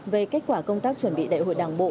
về kết quả công tác chuẩn bị đại hội đảng bộ